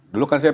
dulu kan saya